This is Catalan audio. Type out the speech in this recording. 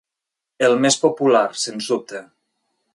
El més popular, sens dubte.